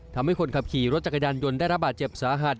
ทำให้คนขับขี่รถจักรยานยนต์ได้รับบาดเจ็บสาหัส